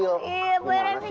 iya bos saya kecil